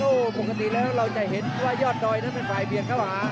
โอ้โหปกติแล้วเราจะเห็นว่ายอดดอยนั้นเป็นฝ่ายเบียงเข้าหา